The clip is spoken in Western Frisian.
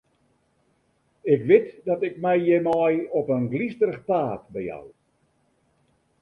Ik wit dat ik my hjirmei op in glysterich paad bejou.